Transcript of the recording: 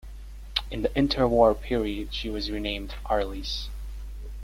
In the interwar period she was renamed "Arlis".